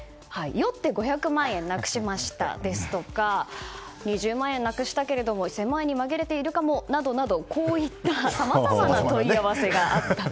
酔って５００万円なくしましたですとか２０万円なくしたけれども１０００万円に紛れているかもとこういったさまざまな問い合わせがあったと。